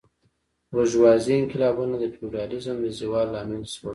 بورژوازي انقلابونه د فیوډالیزم د زوال لامل شول.